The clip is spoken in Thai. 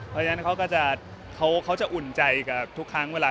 เพราะฉะนั้นเขาก็จะเขาจะอุ่นใจกับทุกครั้งเวลา